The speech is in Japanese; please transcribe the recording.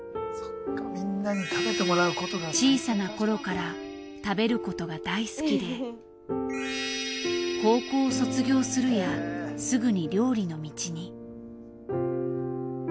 小さな頃から食べることが大好きで高校を卒業するやすぐに料理の道に。